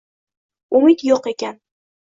Umid yo’q ekan